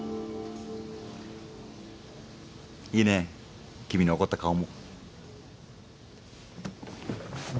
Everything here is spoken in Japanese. いいね君の怒った顔も。